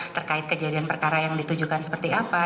terkait kejadian perkara yang ditujukan seperti apa